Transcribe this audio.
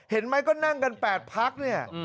เห็นไหมก็นั่งกัน๘พักเนี่ย